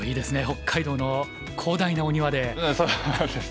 北海道の広大なお庭で。